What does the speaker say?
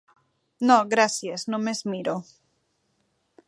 No, gràcies, només miro.